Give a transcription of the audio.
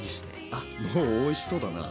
あっもうおいしそうだな。